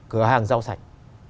cửa hàng rau sạch